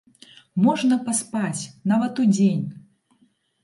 Можна паспаць, нават удзень!